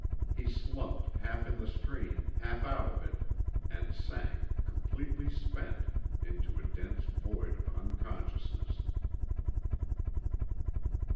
He slumped half in the stream, half out of it, and sank, completely spent, into a dense void of unconsciousness.